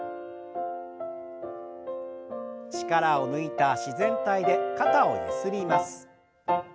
力を抜いた自然体で肩をゆすります。